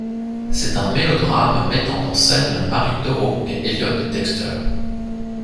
C'est un mélodrame mettant en scène Marie Doro et Elliott Dexter.